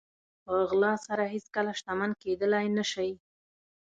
په غلا سره هېڅکله شتمن کېدلی نه شئ.